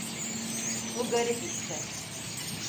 Bu garip işte.